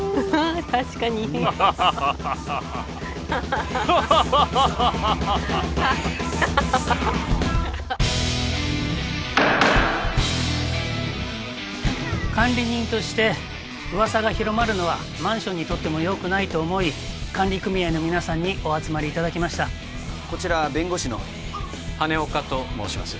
確かにハハハハハハハハハハハハハハ管理人として噂が広まるのはマンションにとってもよくないと思い管理組合の皆さんにお集まりいただきましたこちら弁護士の羽根岡と申します